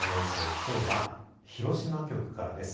きょうは広島局からです。